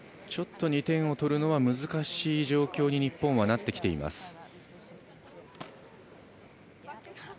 ちょっと２点を取るのは難しい状況に日本は、なってきています。